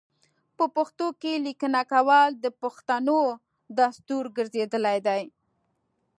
په پښتو کې لیکنه کول د پښتنو دستور ګرځیدلی دی.